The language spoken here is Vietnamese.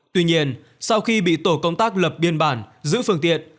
tuy nhiên sau khi bị tổ công tác lập biên bản giữ phương tiện